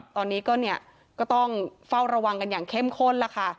ตอนนี้ก็ต้องเฝ้าระวังกันอย่างเข้มข้นแล้วค่ะ